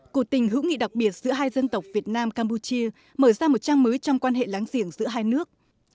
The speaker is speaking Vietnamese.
của tình hữu nghị đặc biệt giữa hai dân tộc việt nam campuchia mở ra một trang mới trong quan hệ láng giềng giữa hai nước